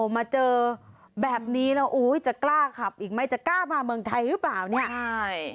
มาเจอแบบนี้แล้วอุ้ยจะกล้าขับอีกไหมจะกล้ามาเมืองไทยหรือเปล่าเนี่ยใช่